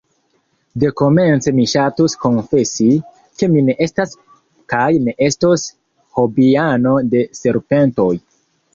Dekomence mi ŝatus konfesi, ke mi ne estas kaj ne estos hobiano de serpentoj.